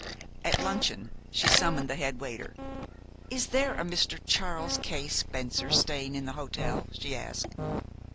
At luncheon she summoned the head waiter. "Is there a Mr. Charles K. Spencer staying in the hotel?" she asked.